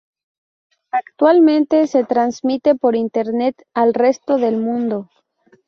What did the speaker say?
Actualmente se transmite por Internet al resto del mundo.